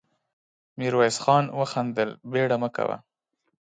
ميرويس خان وخندل: بېړه مه کوه.